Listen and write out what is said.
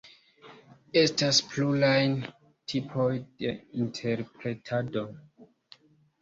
Estas pluraj tipoj de interpretado.